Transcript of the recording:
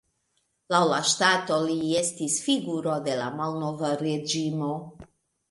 Laŭ la ŝtato li estis figuro de la malnova reĝimo.